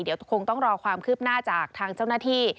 เดี๋ยวคงต้องรอความคืบหน้าจากทางเจ้าหน้าที่